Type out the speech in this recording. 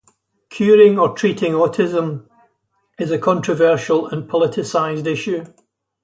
"Curing" or "treating" autism is a controversial and politicized issue.